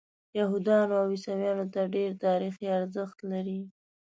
یهودیانو او عیسویانو ته ډېر تاریخي ارزښت لري.